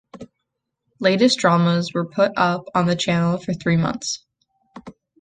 Latest dramas were put up on the channel for three months.